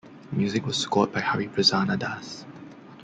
Music was scored by Hariprasanna Das.